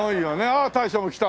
ああ大将も来た！